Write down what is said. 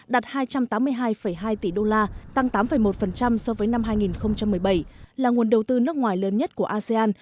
đạt hai trăm tám mươi hai hai tỷ đô la tăng tám một so với năm hai nghìn một mươi bảy là nguồn đầu tư nước ngoài lớn nhất của asean